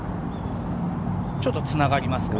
ちょっとつながりますかね。